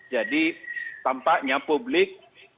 jadi tampaknya publik